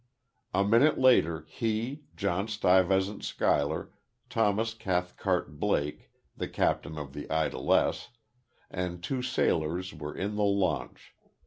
A minute later, he, John Stuyvesant Schuyler, Thomas Cathcart Blake, the captain of "The Idlesse," and two sailors were in the launch....